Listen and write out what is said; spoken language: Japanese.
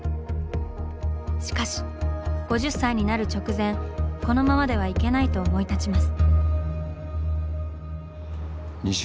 しかし５０歳になる直前このままではいけないと思い立ちます。